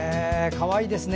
かわいいですね。